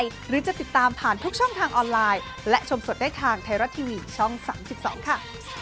อยู่ตรงการบรรเทิงนะ